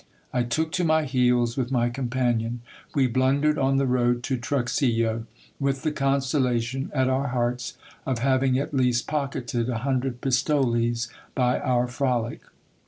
I took to my heels with my companion. We blundered m the road to Truxillo, with the consolation at our hearts of having at least pocketed a hundred pistoles by our frolic.